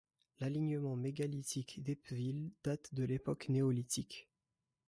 L'alignement mégalithique d'Eppeville date de l'époque néolithique.